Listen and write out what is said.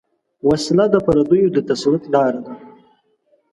وسله د پردیو د تسلط لاره ده